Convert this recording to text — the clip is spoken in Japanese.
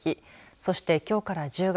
そして、きょうから１０月。